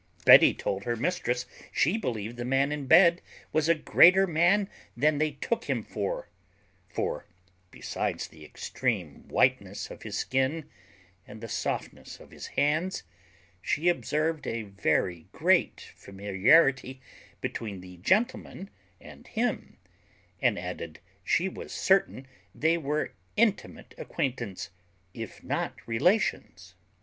_ Betty told her mistress she believed the man in bed was a greater man than they took him for; for, besides the extreme whiteness of his skin, and the softness of his hands, she observed a very great familiarity between the gentleman and him; and added, she was certain they were intimate acquaintance, if not relations.